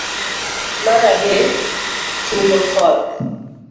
mar adek. chung'o koth